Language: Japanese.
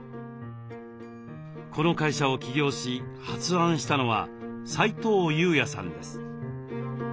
この会社を起業し発案したのは斉藤優也さんです。